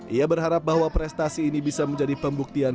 ia berharap bahwa prestasi ini bisa menjadi pembuktian